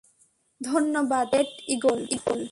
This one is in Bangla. ধন্যবাদ, গ্রেট ঈগল।